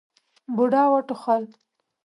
بوډا وټوخل.